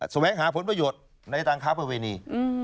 แวงหาผลประโยชน์ในทางค้าประเวณี